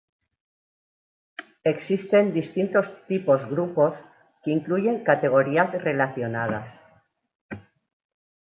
Existen distintos tipos grupos que incluyen categorías relacionadas.